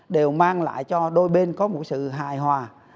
đều mang lại cho đôi bên có một sự hài hòa